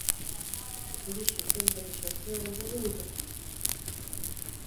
De polysje tinkt dat de sjauffeur in beroerte hân hat.